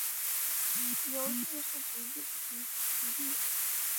由进士擢第。